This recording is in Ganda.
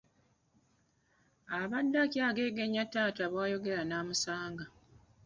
Yabadde akyageegenya taata bw'ayogera n'amusanga.